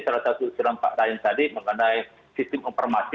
salah satu silam pak daeng tadi mengenai sistem informatif